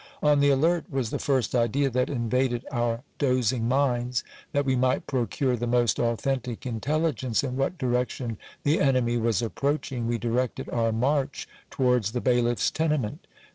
On the alert ! was the first idea that invaded our dozing minds. That we might procure the most authentic intelligence, in what direction the enemy was approaching, we directed our march towards the bai liffs tenement.